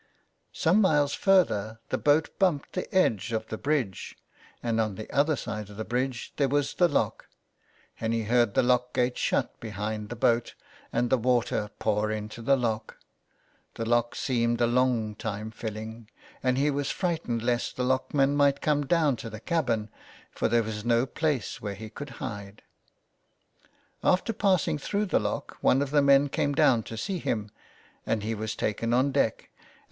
Some miles further the boat bumped the edge of the bridge, and on the other side of the bridge there was the lock, and he heard the lock gate shut behind the boat and the water pour into the lock ; the lock seemed a long time filling, and he was frightened lest the lockman might come down to the cabin, for there was no place where he could hide. After passing through the lock one of the men came down to see him, and he was taken on deck, and 289 T so ON HE FARES.